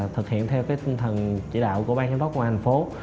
thực hiện theo cái tinh thần chỉ đạo của ban giám đốc công an thành phố